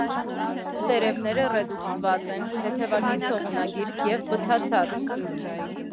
Տերևները ռեդուկցված են, թեթևակի ցողունագիրկ և բթացած։